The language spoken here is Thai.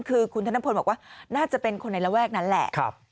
คือคุณธนพลบอกว่าน่าจะเป็นคนในระแวกนั้นแหละ